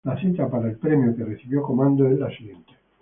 La cita para el premio que recibió Commando es la siguiente.